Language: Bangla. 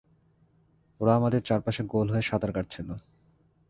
ওরা আমাদের চারপাশে গোল হয়ে সাঁতার কাটছিল।